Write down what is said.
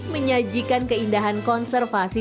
menyajikan keindahan konservasi